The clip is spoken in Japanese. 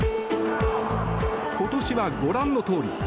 今年はご覧のとおり。